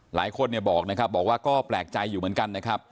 หลายคนบอกว่าก็แปลกใจอยู่เหมือนกันนะครับ